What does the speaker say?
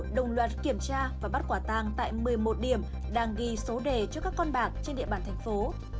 đồng loạt kiểm tra và bắt quả tang tại một mươi một điểm đang ghi số đề cho các con bạc trên địa bàn thành phố